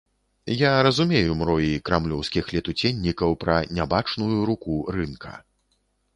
Я разумею мроі крамлёўскіх летуценнікаў пра нябачную руку рынка.